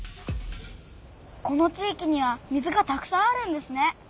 この地いきには水がたくさんあるんですね。